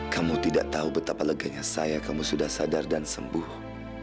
kamu tidak tahu betapa leganya saya kamu sudah sadar dan sembuh